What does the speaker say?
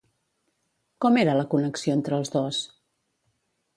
Com era la connexió entre els dos?